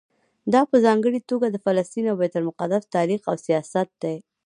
دا په ځانګړي توګه د فلسطین او بیت المقدس تاریخ او سیاست دی.